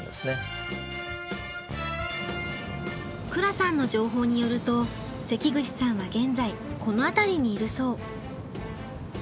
鞍さんの情報によると関口さんは現在この辺りにいるそう。